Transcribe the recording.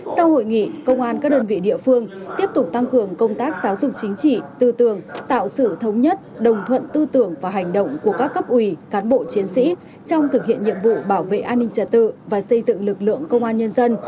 sau hội nghị công an các đơn vị địa phương tiếp tục tăng cường công tác giáo dục chính trị tư tưởng tạo sự thống nhất đồng thuận tư tưởng và hành động của các cấp ủy cán bộ chiến sĩ trong thực hiện nhiệm vụ bảo vệ an ninh trật tự và xây dựng lực lượng công an nhân dân